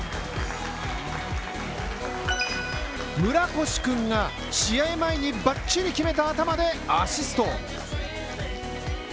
村越くんが試合前にばっちり決めた頭でアシスト。